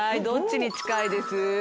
どっちに近いです？